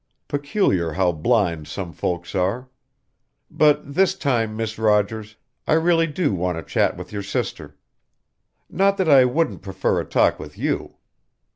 "Peculiar how blind some folks are. But this time, Miss Rogers I really do want to chat with your sister. Not that I wouldn't prefer a talk with you.